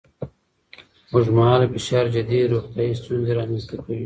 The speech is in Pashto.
اوږدمهاله فشار جدي روغتیایي ستونزې رامنځ ته کوي.